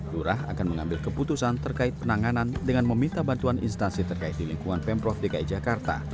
lurah akan mengambil keputusan terkait penanganan dengan meminta bantuan instansi terkait di lingkungan pemprov dki jakarta